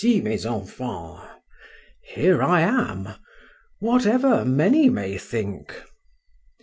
mes enfans"—here I am—whatever many may think.